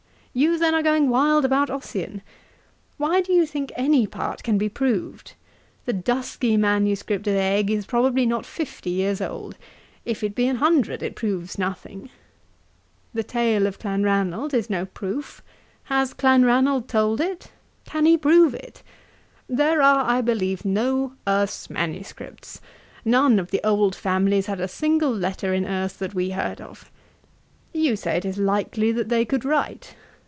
'You then are going wild about Ossian. Why do you think any part can be proved? The dusky manuscript of Egg is probably not fifty years old; if it be an hundred, it proves nothing. The tale of Clanranald is no proof. Has Clanranald told it? Can he prove it? There are, I believe, no Erse manuscripts. None of the old families had a single letter in Erse that we heard of. You say it is likely that they could write.